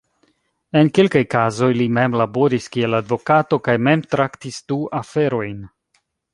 En kelkaj kazoj li mem laboris kiel advokato kaj mem traktis du aferojn.